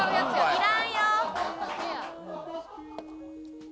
いらんよ。